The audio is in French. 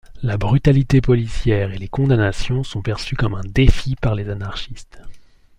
La brutalité policière et les condamnations sont perçues comme un défi par les anarchistes.